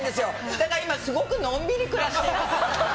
だから今、すごくのんびり暮らしています。